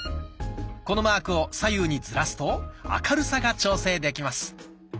このマークを左右にずらすと明るさが調整できます。